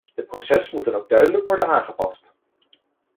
Het proces moet dan ook duidelijk worden aangepast.